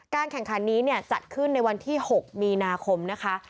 แข่งขันนี้จัดขึ้นในวันที่๖มีนาคมนะคะ